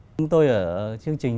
chúng tôi ở chương trình